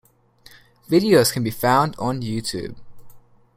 Videos can be found on YouTube.